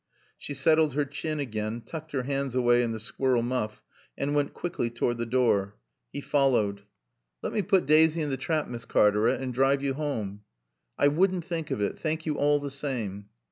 She settled her chin again, tucked her hands away in the squirrel muff and went quickly toward the door. He followed. "Let me putt Daasy in t' trap, Miss Cartaret, and drive yo' home." "I wouldn't think of it. Thank you all the same."